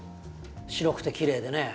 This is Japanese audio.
白くてきれいでね。